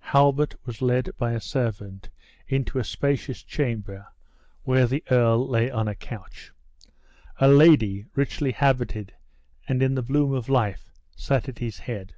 Halbert was led by a servant into a spacious chamber, where the earl lay on a couch. A lady, richly habited, and in the bloom of life, sat at his head.